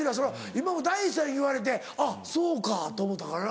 今も大山言われてあっそうかと思ったからな。